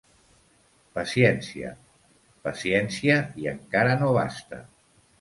Paciència, paciència i encara no basta.